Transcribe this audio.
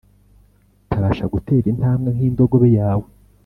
tabasha gutera intambwe nk'indogobe yawe?»